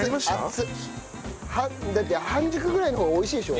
だって半熟ぐらいの方が美味しいでしょ？